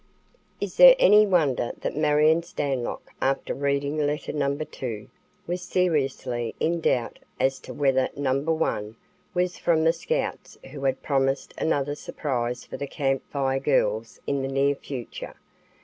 Is there any wonder that Marion Stanlock, after reading letter No. 2 was seriously in doubt as to whether No. 1 was from the Scouts who had promised another surprise for the Camp Fire Girls in the near future?